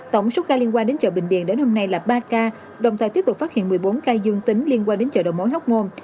tổng số ca liên quan đến chợ bình điền đến hôm nay là ba ca đồng thời tiếp tục phát hiện một mươi bốn ca dương tính liên quan đến chợ đầu mối hóc môn